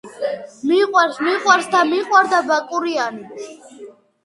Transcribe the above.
მიყვარს მიყვარს და მიყვარდა ბაკურიანი